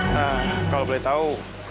nah kalau boleh tahu